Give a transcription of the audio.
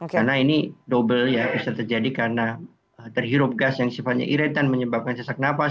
karena ini double ya bisa terjadi karena terhirup gas yang sifatnya iritan menyebabkan sesak nafas